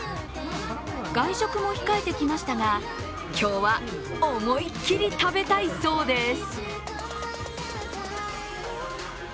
外食も控えてきましたが今日は思いっきり食べたいそうです。